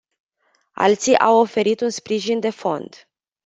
Ații au oferit un sprijin de fond.